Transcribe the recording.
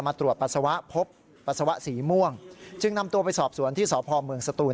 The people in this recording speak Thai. ตรวจปัสสาวะพบปัสสาวะสีม่วงจึงนำตัวไปสอบสวนที่สพเมืองสตูน